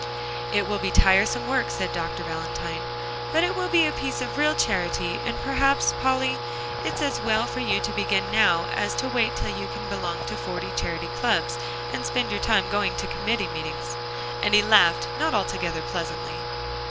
"It will be tiresome work," said Dr. Valentine, "but it will be a piece of real charity, and perhaps, Polly, it's as well for you to begin now as to wait till you can belong to forty charity clubs, and spend your time going to committee meetings." And he laughed not altogether pleasantly.